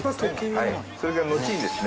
はいそれが後にですね